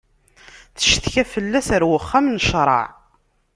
Tcetka fell-as ar wexxam n ccṛeɛ.